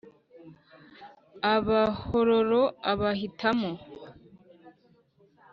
abahororo abahitamo